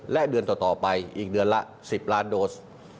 และเดือนต่อไปอีกเดือนละ๑๐ล้านโดส